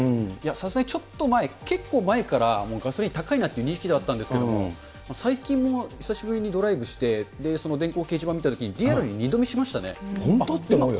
さすがにちょっと前、結構前からガソリン、高いなっていう認識ではあったんですけれども、最近も久しぶりにドライブして、電光掲示板見たときに、リアルに本当？って思うよね。